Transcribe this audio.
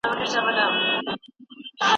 دا څېړنه په رښتیا هم ډېر کار غواړي.